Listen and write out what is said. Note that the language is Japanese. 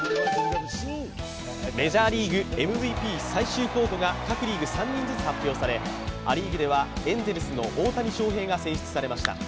メジャーリーグ、ＭＶＰ最終候補が各リーグ３人ずつ発表され、ア・リーグではエンゼルスの大谷翔平選手が選出されました。